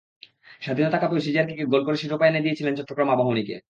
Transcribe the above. স্বাধীনতা কাপেও সিজার কিকে গোল করে শিরোপা এনে দিয়েছিলেন চট্টগ্রাম আবাহনীকে।